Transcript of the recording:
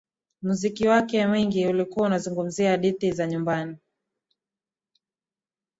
Muziki wake mwingi ulikuwa unazungumzia hadithi za nyumbani